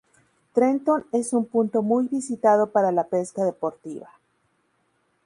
Trenton es un punto muy visitado para la pesca deportiva.